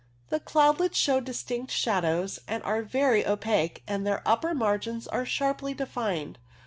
The cloudlets show distinct shadows, are very opaque, and their upper margins are sharply defined.